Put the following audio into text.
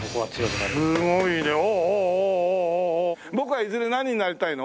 ボクはいずれ何になりたいの？